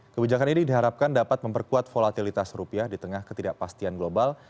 kebijakan ini diharapkan dapat memperkuat volatilitas rupiah di tengah ketidakpastian global